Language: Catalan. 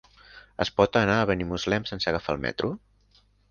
Es pot anar a Benimuslem sense agafar el metro?